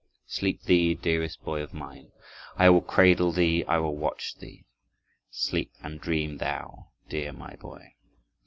Sleep thee, dearest boy of mine! I will cradle thee, I will watch thee. Sleep and dream thou, dear my boy!"